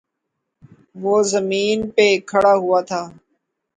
وہ زمین پہ کھڑا ہوا تھا۔